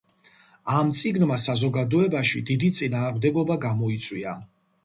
ამ წიგნმა საზოგადოებაში დიდი წინააღმდეგობა გამოიწვია.